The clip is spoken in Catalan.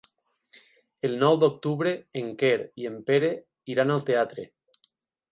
El nou d'octubre en Quer i en Pere iran al teatre.